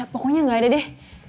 pokoknya gak ada deh